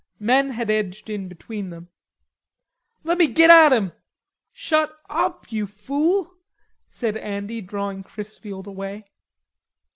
Men had edged in between them. "Lemme git at him." "Shut up, you fool," said Andy, drawing Chrisfield away.